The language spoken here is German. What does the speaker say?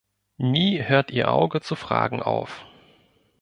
Nie hört ihr Auge zu fragen auf.